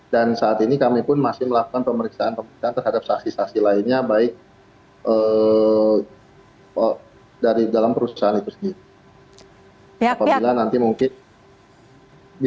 dan saat ini kami pun masih melakukan pemeriksaan pemeriksaan terhadap saksi saksi lainnya baik dari dalam perusahaan itu sendiri